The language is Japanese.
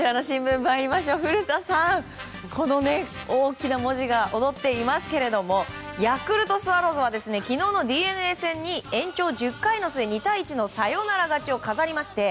古田さん、この大きな文字が躍っていますがヤクルトスワローズは昨日のＤｅＮＡ戦に延長１０回の末、２対１のサヨナラ勝ちを飾りまして